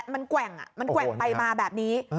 มันแกว่งไปมาแบบนี้